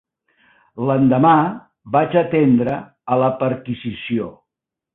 L'endemà vaig atendre a la perquisició.